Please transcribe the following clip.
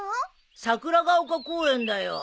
桜ヶ丘公園だよ。